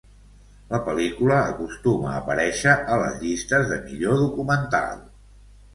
La pel·lícula acostuma a aparèixer a les llistes de "millor documental".